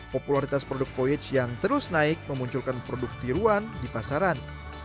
popularitas produk voyage yang terus naik memunculkan produk tiruan di pasaran